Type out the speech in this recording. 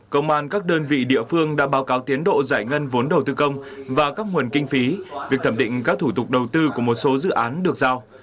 công an các đơn vị địa phương đã báo cáo tiến độ giải ngân vốn đầu tư công và các nguồn kinh phí việc thẩm định các thủ tục đầu tư của một số dự án được giao